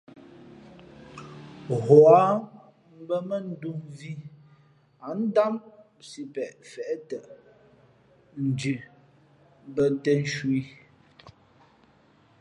Huά mbᾱ mά ndū mvhī ǎ ndám sipeʼ feʼtα ndhʉ bᾱ těn nshu ī.